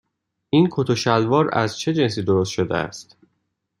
این کت و شلوار از چه جنسی درست شده است؟